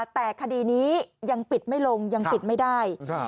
แต่คดีนี้ยังปิดไม่ลงยังปิดไม่ได้